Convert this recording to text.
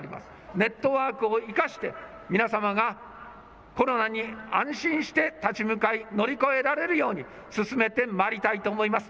ネットワークを生かして、皆様がコロナに安心して立ち向かい、乗り越えられるように進めてまいりたいと思います。